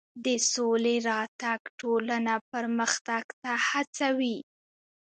د سولې راتګ ټولنه پرمختګ ته هڅوي.